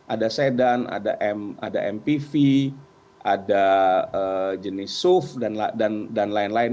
ada sedan ada mpv ada jenis suf dan lain lain